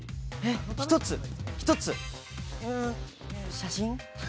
写真？